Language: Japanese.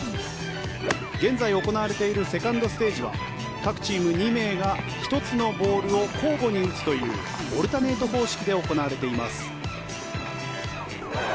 現在行われているセカンドステージは各チーム２名が１つのボールを交互に打つというオルタネート方式で行われています。